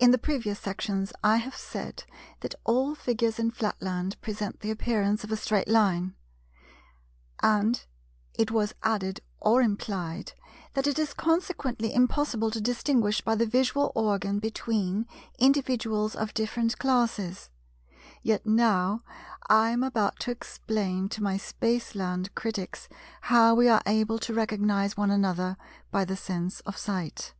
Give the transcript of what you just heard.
In the previous sections I have said that all figures in Flatland present the appearance of a straight line; and it was added or implied, that it is consequently impossible to distinguish by the visual organ between individuals of different classes: yet now I am about to explain to my Spaceland critics how we are able to recognize one another by the sense of sight.